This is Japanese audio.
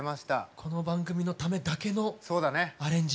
この番組のためだけのアレンジ。